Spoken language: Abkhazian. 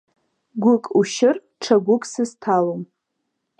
Гәык ушьыр ҽа гәык сызҭалом…